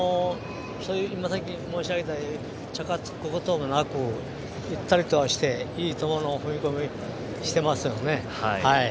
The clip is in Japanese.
さっき申し上げたようにチャカつくこともなくゆったりとしていいトモの踏み込みしてますよね。